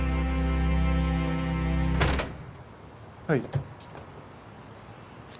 はい。